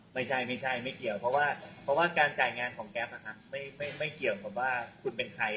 ไม่ใช่ไม่ใช่เพราะว่าการจ่ายงานของแก๊ฟไม่เกี่ยวแค่ว่าคุณเป็นใคร